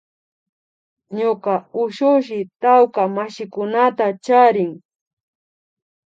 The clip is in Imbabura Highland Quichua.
Ñuka ushushi tawka mashikunata charin